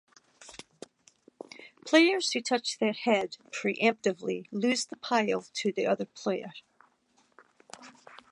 Players who touch their head pre-emptively lose the pile to the other player.